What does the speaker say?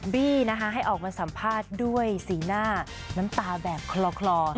บี้นะคะให้ออกมาสัมภาษณ์ด้วยสีหน้าน้ำตาแบบคลอ